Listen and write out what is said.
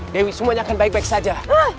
dewi semuanya akan baik baik saja